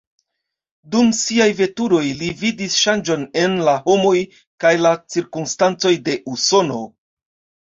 Dum siaj veturoj, li vidis ŝanĝon en la homoj kaj la cirkonstancoj de Usono.